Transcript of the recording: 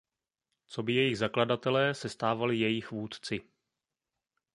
Coby jejich zakladatelé se stávali jejich vůdci.